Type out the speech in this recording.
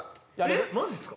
えっマジっすか？